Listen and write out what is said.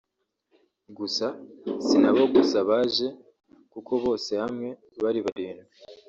gusa sinabo gusa baje kuko bose hamwe bari barindwi